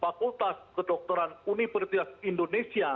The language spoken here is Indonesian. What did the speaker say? fakultas kedokteran universitas indonesia